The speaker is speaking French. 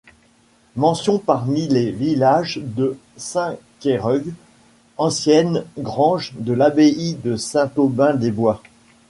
Mention parmi les villages de Saint-Quereuc, ancienne grange de l'abbaye de Saint-Aubin-des-Bois.